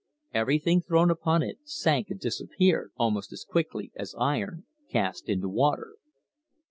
Everything thrown upon it sank and disappeared almost as quickly as iron cast into water.